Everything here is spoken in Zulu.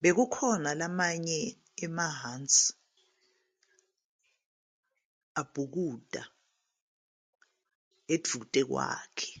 Kwakukhona namanye amahansi ebhukuda eduze kwakhe.